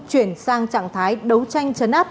chuyển sang trạng thái đấu tranh chấn áp